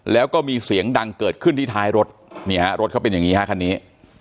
แล้วก็มีเสียงดังเกิดขึ้นที่ท้ายรถเนี่ยฮะรถเขาเป็นอย่างนี้ฮะคันนี้